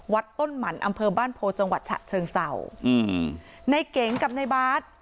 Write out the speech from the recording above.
วัดต้นหมั่นอำเภอบ้านโพจังหวัดฉะเชิงเศร้าอืมในเก๋งกับในบาส